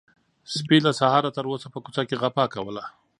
سپي له سهاره تر اوسه په کوڅه کې غپا کوله.